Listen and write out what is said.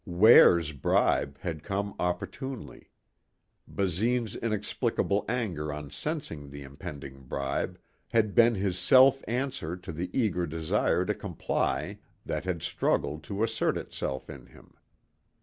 Ware's bribe had come opportunely. Basine's inexplicable anger on sensing the impending bribe, had been his self answer to the eager desire to comply that had struggled to assert itself in him.